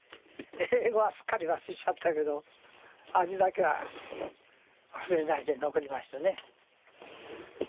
英語はすっかり忘れちゃったけど味だけは忘れないで残りましたね。